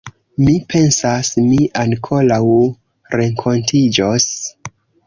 Mi pensas, ni ankoraŭ renkontiĝos.